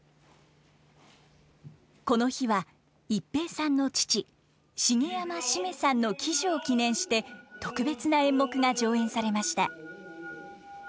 この日は逸平さんの父茂山七五三さんの喜寿を記念して特別な演目が上演されました。